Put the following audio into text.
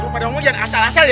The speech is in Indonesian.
lo pada omong jangan asal asal ya